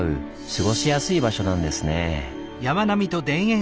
「過ごしやすい場所」なんですねぇ。